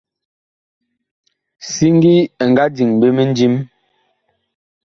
Siŋgi ɛ nga diŋ ɓe mindim.